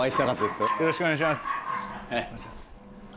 よろしくお願いします。